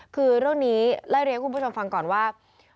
คือเรื่องนี้ไล่เรียงให้คุณผู้ชมฟังก่อนว่า